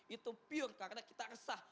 itu pure karena kita resah